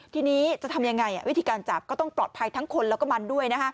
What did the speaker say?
ทีนี้จะทำยังไงวิธีการจับก็ต้องปลอดภัยทั้งคนแล้วก็มันด้วย